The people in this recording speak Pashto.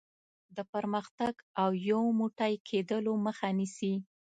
د پرمختګ او یو موټی کېدلو مخه نیسي.